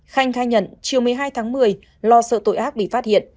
khanh khai nhận chiều một mươi hai tháng một mươi lo sợ tội ác bị phát hiện